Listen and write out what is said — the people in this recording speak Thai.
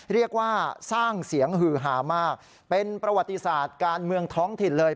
เรียกว่าสร้างเสียงหือหามากเป็นประวัติศาสตร์การเมืองท้องถิ่นเลย